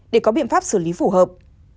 để có biện pháp xử lý phù hợp